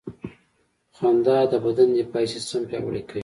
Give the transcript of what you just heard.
• خندا د بدن دفاعي سیستم پیاوړی کوي.